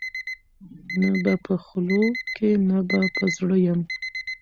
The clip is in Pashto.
نه به په خولو کي نه به په زړه یم